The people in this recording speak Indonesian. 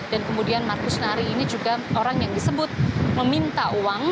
dan kemudian markus nari ini juga orang yang disebut meminta uang